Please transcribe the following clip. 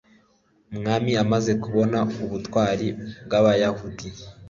umwami amaze kubona ubutwari bw'abayahudi